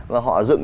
và họ dựng